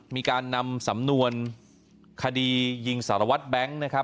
มีการนำสำนวนคดียิงสารวัตน์แบงค์